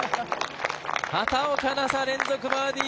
畑岡奈紗、連続バーディー。